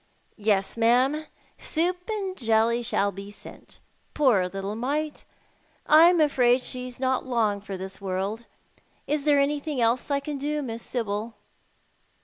" Yes, ma'am, soup and jelly shall be sent. Poor little mite, I'm afraid she's not long for this world. Is there anything else I can do, Miss Sibyl